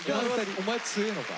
お前強えのか？